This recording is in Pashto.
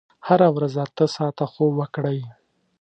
هره ورځ اته ساعته خوب وکړئ.